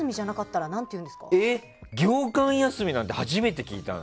業間休みなんて初めて聞いた。